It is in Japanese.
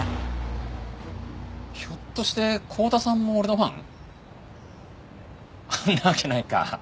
ひょっとして幸田さんも俺のファン？なわけないか。